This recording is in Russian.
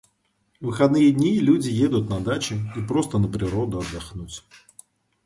В выходные дни, люди едут на дачи и просто на природу отдохнуть.